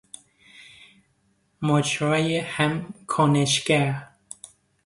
مجرای هم کنشگر